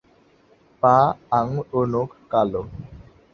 পা, আঙুল ও নখ কালো।